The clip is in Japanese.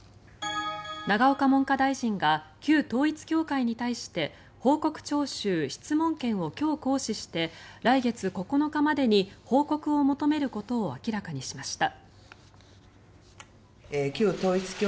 永岡文科大臣が旧統一教会に対して報告徴収・質問権を今日、行使して来月９日までに報告を求めることを明らかにしました。